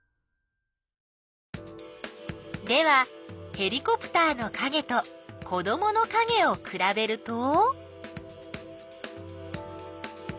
ではヘリコプターのかげと子どものかげをくらべると？